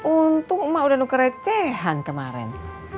untung emak udah nuker recehan kemarin